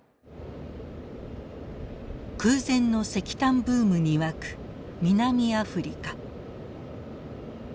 空前の石炭ブームに沸く南アフリカ。